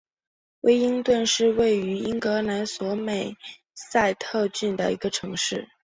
威灵顿是位于英格兰索美塞特郡的一个城市。